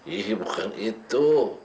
iya bukan itu